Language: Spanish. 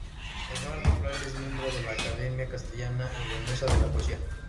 Eduardo Fraile es miembro de la "Academia Castellana y Leonesa de la Poesía".